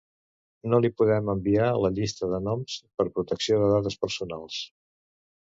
No li podem enviar la llista de noms per protecció de dades personals.